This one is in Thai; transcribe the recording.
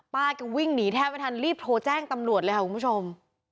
ป้าก็วิ่งหนีแทบไม่ทันรีบโทรแจ้งตำรวจเลยค่ะคุณผู้ชม